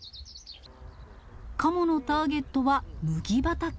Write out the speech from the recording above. カモのターゲットは麦畑。